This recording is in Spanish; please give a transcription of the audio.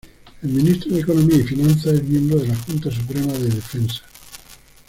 El ministro de Economía y Finanzas es miembro de la Junta Suprema de Defensa.